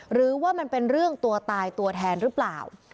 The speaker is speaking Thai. หรือว่ามันเป็นเรื่องตัวตายตัวแทนหรือเปล่า